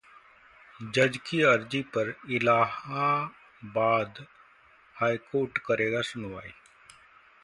जज की अर्जी पर इलाहाबाद हाईकोर्ट करेगा सुनवाई